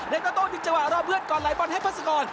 เรนโตโตดินเจาะรอเพื่อนก่อนไหลบ้อนให้พัศกร